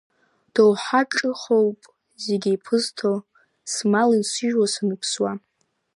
Доуҳа ҿыхоуп зегь еибызҭо, смал инсыжьуа саныԥсуа.